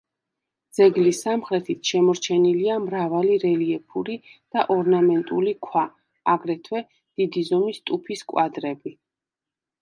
ძეგლის სამხრეთით შემორჩენილია მრავალი რელიეფური და ორნამენტული ქვა, აგრეთვე, დიდი ზომის ტუფის კვადრები.